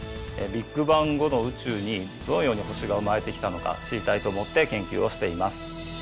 ビッグバン後の宇宙にどのように星が生まれてきたのか知りたいと思って研究をしています。